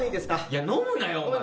「いや飲むなよお前」